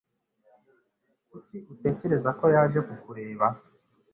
Kuki utekereza ko yaje kukureba?